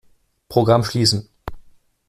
Programm schließen.